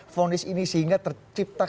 fonis ini sehingga tercipta